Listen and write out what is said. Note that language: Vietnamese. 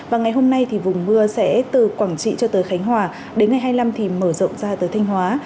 và ngày hôm nay thì vùng mưa sẽ từ quảng trị cho tới khánh hòa đến ngày hai mươi năm thì mở rộng ra từ thanh hóa